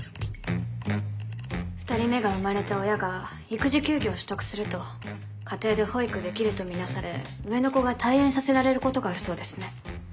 ２人目が生まれた親が育児休業を取得すると家庭で保育できると見なされ上の子が退園させられることがあるそうですね。